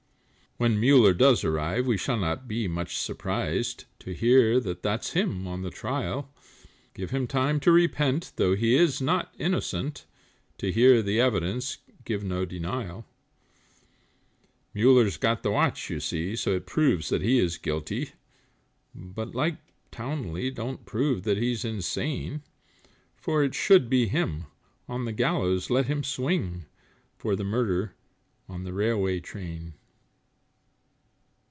When Muller does arrive, we shall not be much surprised, To hear that that's him on the trial; Give him time to repent, though he is not innocent, To hear the evidence give no denial. Muller's got the watch, you see, so it proves that he is guilty, But like Townley don't prove that he's insane For if it should be him, on the gallows let him swing, For the murder on the railway train.